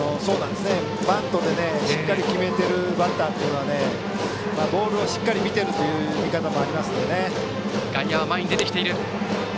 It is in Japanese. バントでしっかり決めているバッターはボールをしっかり見ているという見方もあるので。